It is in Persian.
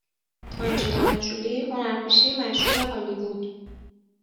آنجلینا جولی هنرپیشه مشهور هالیوود